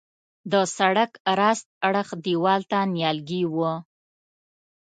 د سړک راست اړخ دیوال ته نیالګي وه.